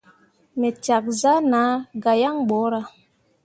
Me cak zah na gah yaŋ ɓorah.